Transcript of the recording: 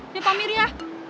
iya pak amir ya